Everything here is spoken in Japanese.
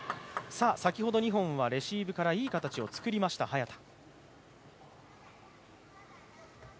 先ほど２本はレシーブからいい形を作りました、早田。